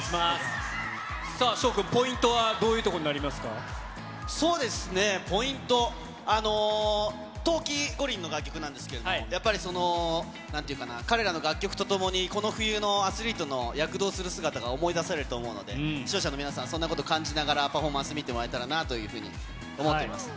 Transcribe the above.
さあ、翔君、ポイントはどういうそうですね、ポイント、冬季五輪の楽曲なんですけど、やっぱり、なんというかな、彼らの楽曲とともに、この冬のアスリートの躍動する姿が思い出されると思うので、視聴者の皆さん、そんなことを感じながら、パフォーマンス見てもらえたらなと思っております。